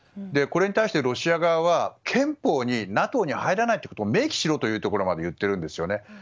これに対してロシア側は憲法に、ＮＡＴＯに入らないと明記しろというところまで言っているんですよね。